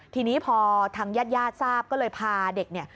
ทีนี้พอทางญาติญาติทราบก็เลยพาเด็กเนี่ย